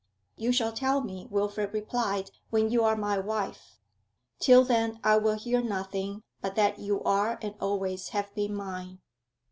'You shall tell me,' Wilfrid replied, 'when you are my wife. Till then I will hear nothing but that you are and always have been mine.'